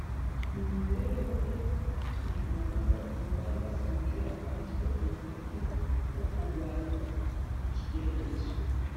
imibereho ye tuyibonamo imbaraga zidutera natwe umwete wo kurwanya ikigeragezo